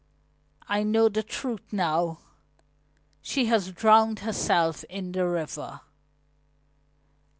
"I know the truth now! She has drowned herself in the river!"